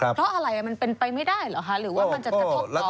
เพราะอะไรมันเป็นไปไม่ได้หรือว่ามันจะกระทบกรอบเศรษฐกิจ